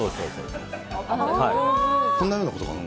こんなふうなことかな？